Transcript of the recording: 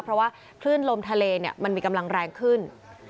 เพราะว่าคลื่นลมทะเลมันมีกำลังแรงขึ้น